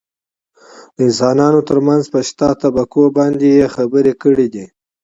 دانسانانو ترمنځ په شته طبقو باندې يې خبرې کړي دي .